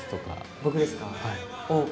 僕ですか。